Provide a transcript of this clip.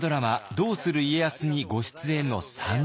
「どうする家康」にご出演の３人。